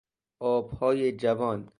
آبهای جوان